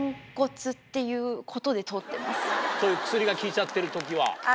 そういう薬が効いちゃってる時は。